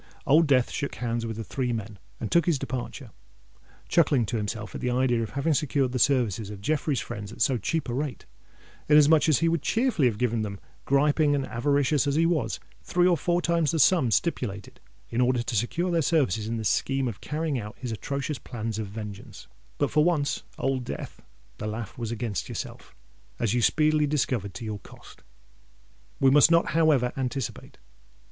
Old Death shook hands with the three men, and took his departure—chuckling to himself at the idea of having secured the services of Jeffreys' friends at so cheap a rate, inasmuch as he would cheerfully have given them, griping and avaricious as he was, three or four times the sum stipulated in order to secure their services in the scheme of carrying out his atrocious plans of vengeance. But for once, Old Death! the laugh was against yourself—as you speedily discovered to your cost! We must not however anticipate.